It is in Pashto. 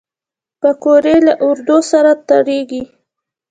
پکورې له آردو سره تیارېږي